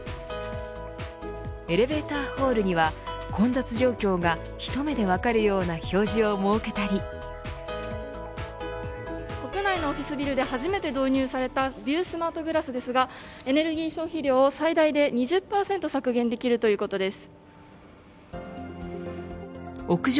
エレベーターホールには混雑状況が一目で分かるような表示を設けたり国内のオフィスビルで初めて導入されたビュースマートガラスですがエネルギー消費量最大で２０％削減できるということです。